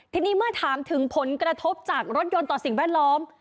ทีนี้เมื่อถามถึงผลกระทบจากรถยนต์ต่อสิ่งแวดล้อม